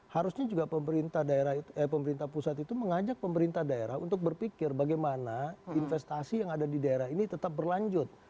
harusnya juga pemerintah daerah pemerintah pusat itu mengajak pemerintah daerah untuk berpikir bagaimana investasi yang ada di daerah ini tetap berlanjut